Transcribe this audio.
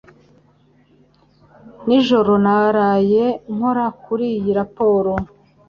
Nijoro naraye nkora kuri iyi raporo.